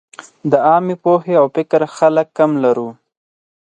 د عامې پوهې او فکر خلک کم لرو.